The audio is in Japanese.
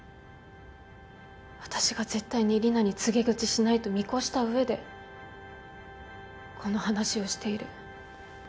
私が絶対にリナに告げ口しないと見越したうえでこの話をしている。